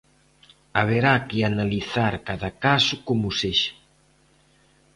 Haberá que analizar cada caso como sexa.